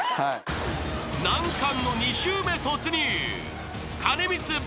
［難関の２周目突入］